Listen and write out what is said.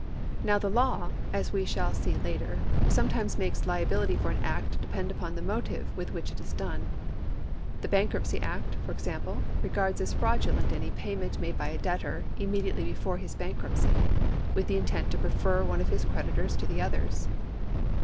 Now the law, as we shall see later, sometimes makes liabiUty for an act depend upon the motive with which it is done. The Bankruptcy Act, for example, regards as fraudulent any payment made by a debtor immediately before his bankruptcy with intent to prefer one of his creditors to the others.